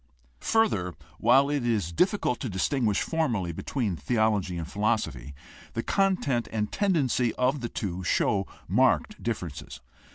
Further, while it is difficult to distinguish formally between theology and philosophy, the content and tendency of the two show marked differences.